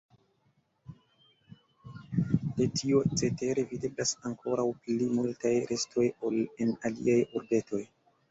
De tio cetere videblas ankoraŭ pli multaj restoj ol en aliaj urbetoj.